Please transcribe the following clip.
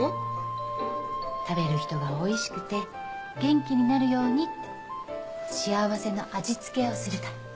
食べる人がおいしくて元気になるようにって幸せの味付けをするから。